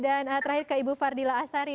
dan terakhir ke ibu fardila astari